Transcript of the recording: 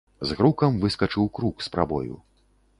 З грукам выскачыў крук з прабою.